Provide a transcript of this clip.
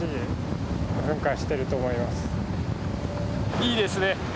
いいですね。